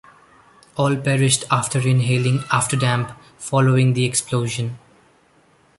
All perished after inhaling afterdamp following the explosion.